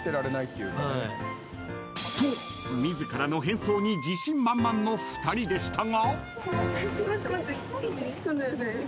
［と自らの変装に自信満々の２人でしたが］